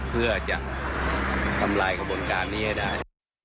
เพื่อจะทำลายกระบวนการนี้ให้ได้